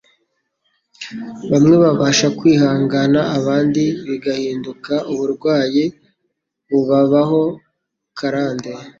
Bamwe babasha kwihangana abandi bigahinduka uburwayi bubabaho karande